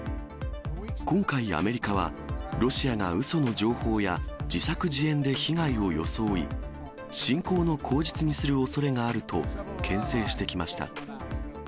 今回アメリカは、ロシアがうその情報や自作自演で被害を装い、侵攻の口実にするおそれがあると、けん制してきました。